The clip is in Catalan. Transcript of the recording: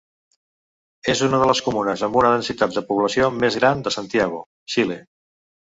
És una de les comunes amb una densitat de població més gran de Santiago, Xile.